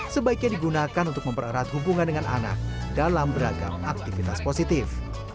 sebaiknya digunakan untuk mempererat hubungan dengan anak dalam beragam aktivitas positif